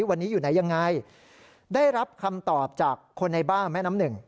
วันนี้อยู่ไหนยังไงได้รับคำตอบจากคนในบ้านแม่น้ำหนึ่ง